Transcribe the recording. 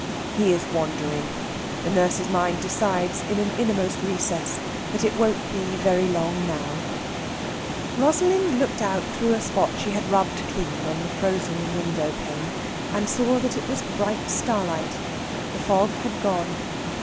He is wandering. The nurse's mind decides, in an innermost recess, that it won't be very long now. Rosalind looked out through a spot she had rubbed clean on the frozen window pane, and saw that it was bright starlight. The fog had gone.